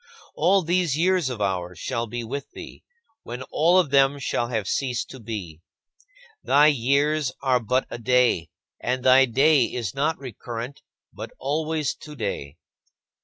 All these years of ours shall be with thee, when all of them shall have ceased to be. Thy years are but a day, and thy day is not recurrent, but always today.